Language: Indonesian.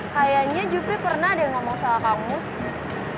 sampai jumpa di video selanjutnya